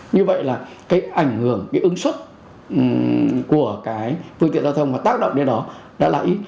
như vậy là cái ảnh hưởng cái ứng xuất của cái phương tiện giao thông mà tác động đến đó đã là ít